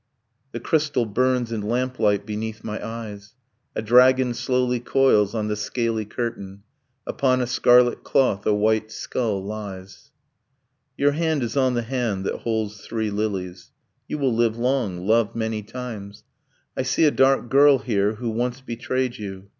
The crystal burns in lamplight beneath my eyes. A dragon slowly coils on the scaly curtain. Upon a scarlet cloth a white skull lies. 'Your hand is on the hand that holds three lilies. You will live long, love many times. I see a dark girl here who once betrayed you.